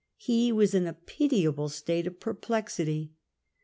He was in a pitiable state of perplexity.